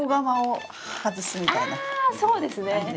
そうですね。